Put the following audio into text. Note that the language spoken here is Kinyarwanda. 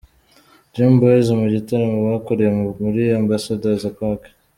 Dream Boys mu gitaramo bakoreye muri Ambassador's Park.